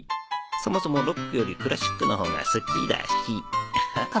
そもそもロックよりクラシックのほうが好きだし。